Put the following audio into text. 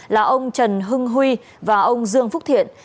là ông trần hưng huy và ông dương phúc thiện